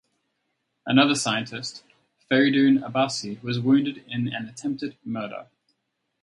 Another scientist, Fereydoon Abbasi, was wounded in an attempted murder.